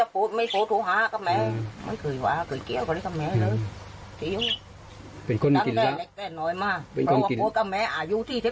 ขอบแล้วเรือแม่นี้น่ะจะไม่เรือ